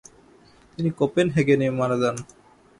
তিনি কোপেনহেগেনে মারা যান।